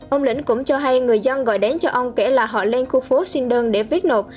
ông lĩnh cũng cho hay người dân gọi đến cho ông kể là họ lên khu phố sinh đơn để viết nộp